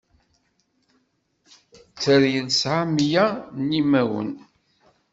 Teryel tesɛa mya n imawen.